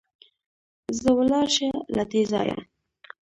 ځه ولاړ شه له دې ځايه!